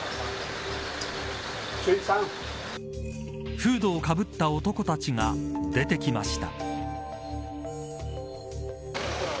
フードをかぶった男たちが出てきました。